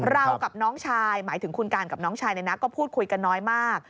กับน้องชายหมายถึงคุณการกับน้องชายเนี่ยนะก็พูดคุยกันน้อยมาก